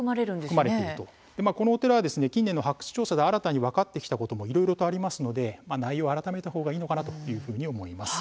このお寺は近年の発掘調査で新たに分かってきたこともいろいろありますので内容を改めた方がいいのではないかと思います。